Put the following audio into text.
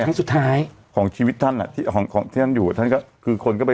ครั้งสุดท้ายของชีวิตท่านอ่ะที่ของของที่ท่านอยู่ท่านก็คือคนก็ไป